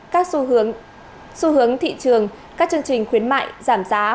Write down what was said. các xu hướng thị trường các chương trình khuyến mại giảm giá